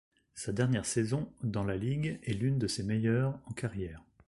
Sa dernière saison dans la ligue est l'une de ses meilleurs en carrière.